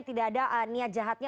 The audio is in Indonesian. tidak ada niat jahatnya